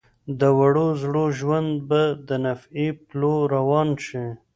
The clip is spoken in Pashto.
د وړو زړو ژوند به د نطفې پلو روان شي.